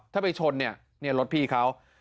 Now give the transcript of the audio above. ถ้าไปชนเนี่ยรถพี่เขา